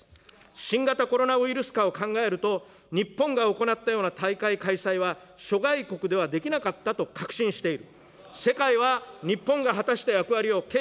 新型コロナウイルス禍を考えると、日本が行ったような大会開催は、諸外国ではできなかったと確信している。